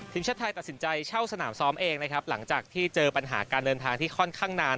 ทีมชาติไทยตัดสินใจเช่าสนามซ้อมเองนะครับหลังจากที่เจอปัญหาการเดินทางที่ค่อนข้างนาน